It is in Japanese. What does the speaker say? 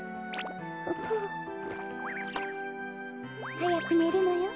はやくねるのよ。